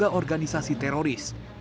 dan juga organisasi teroris